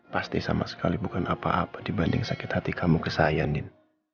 pasti sama sekali bukan apa apa dibanding sakit hati kamu ke saya ndin